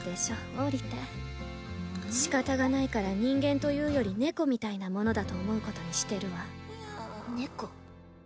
おりて仕方がないから人間というより猫みたいなものだと思うことにしてるわニャ猫？